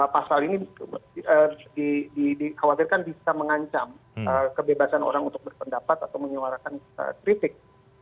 pasal ini dikhawatirkan bisa mengancam kebebasan orang untuk berpendapat atau menyuarakan kritik